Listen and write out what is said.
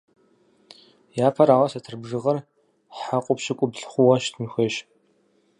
Япэрауэ, сатыр бжыгъэр хьэкъыу пщыкӀуплӀ хъууэ щытын хуейщ.